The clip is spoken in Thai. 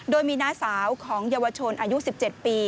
โดยมีน้าสาวของเยาวชนอายุ๑๗ปี